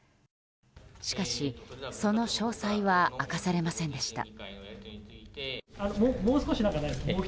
しかし、その詳細は明かされませんでした。